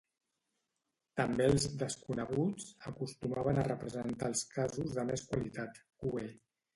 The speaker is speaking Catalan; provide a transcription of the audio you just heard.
També els "desconeguts" acostumaven a representar els casos de més qualitat, q.e.